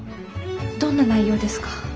どんな内容ですか？